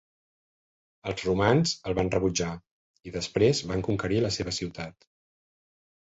Els romans els van rebutjar i després van conquerir la seva ciutat.